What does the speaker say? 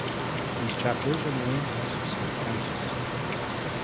These chapters are known as "state councils".